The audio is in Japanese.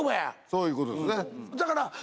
そういうことですね。